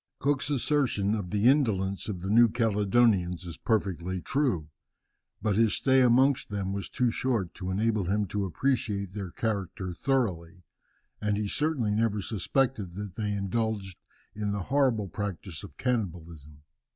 Cook's assertion of the indolence of the New Caledonians is perfectly true. But his stay amongst them was too short to enable him to appreciate their character thoroughly; and he certainly never suspected that they indulged in the horrible practice of cannibalism.